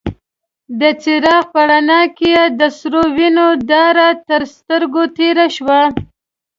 د څراغ په رڼا کې يې د سرو وينو داره تر سترګو تېره شوه.